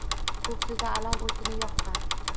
Koʻksida alam oʻtini yoqqan